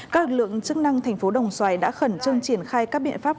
các lực lượng chức năng thành phố đồng xoài đã khẩn trương triển khai các biện pháp